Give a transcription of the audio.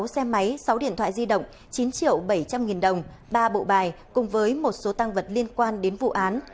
sáu xe máy sáu điện thoại di động chín triệu bảy trăm linh nghìn đồng ba bộ bài cùng với một số tăng vật liên quan đến vụ án